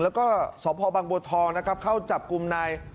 แล้วก็สพบังบัวทองนะครับเข้าจับกลุ่มนาย